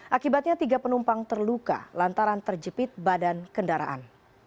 akibatnya tiga penumpang terluka lantaran terjepit badan kendaraan